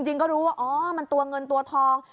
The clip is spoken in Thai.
จริงก็รู้ว่ามันตัวเงินตัวทอง